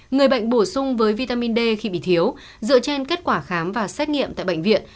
người bệnh bổ sung với vitamin d khi bị thiếu dựa trên kết quả khám và xét nghiệm tại bệnh viện